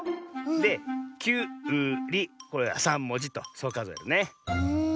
で「きゅうり」これは３もじとそうかぞえるのね。